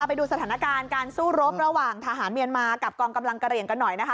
ไปดูสถานการณ์การสู้รบระหว่างทหารเมียนมากับกองกำลังกะเหลี่ยงกันหน่อยนะคะ